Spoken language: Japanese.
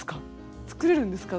作れるんですか？